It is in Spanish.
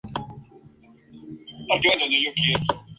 Por este mecanismo van Eyck crea una mayor ilusión de profundidad.